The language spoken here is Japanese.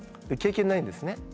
経験ないんですね。